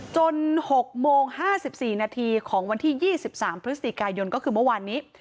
๖โมง๕๔นาทีของวันที่๒๓พฤศจิกายนก็คือเมื่อวานนี้